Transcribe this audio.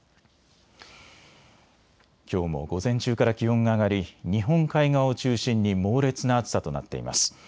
きょうも午前中から気温が上がり日本海側を中心に猛烈な暑さとなっています。